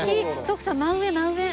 徳さん真上真上。